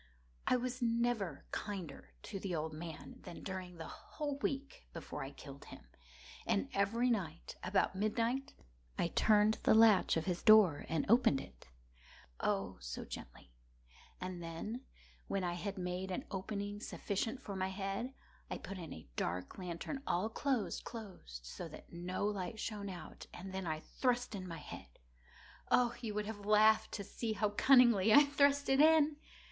I was never kinder to the old man than during the whole week before I killed him. And every night, about midnight, I turned the latch of his door and opened it—oh, so gently! And then, when I had made an opening sufficient for my head, I put in a dark lantern, all closed, closed, that no light shone out, and then I thrust in my head. Oh, you would have laughed to see how cunningly I thrust it in!